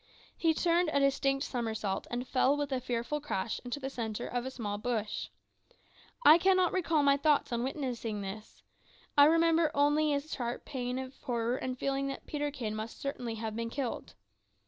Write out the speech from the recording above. He turned a distinct somersault, and fell with a fearful crash into the centre of a small bush. I cannot recall my thoughts on witnessing this. I remember only experiencing a sharp pang of horror and feeling that Peterkin must certainly have been killed.